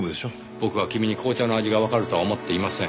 僕は君に紅茶の味がわかるとは思っていません。